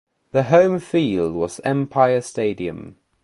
Their home field was Empire Stadium.